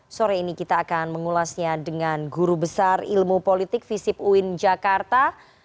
sore ini kita akan mengulasnya dengan guru besar ilmu politik visip uin jakarta